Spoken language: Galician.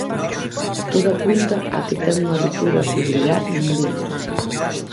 Todo apunta a que ten unha rotura fibrilar nun bíceps.